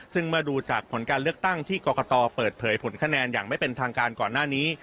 ซึ่งเมื่อดูจากผลการเลือกตั้งที่กรกตเปิดเผยผลคะแนนอย่างไม่เป็นทางการก่อนหน้านี้